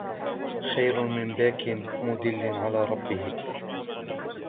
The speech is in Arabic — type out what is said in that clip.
خَيْرٌ مِنْ بَاكٍ مُدِلٍّ عَلَى رَبِّهِ